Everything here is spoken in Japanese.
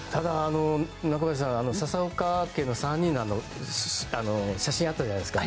中林さん、笹岡家の３人の写真あったじゃないですか。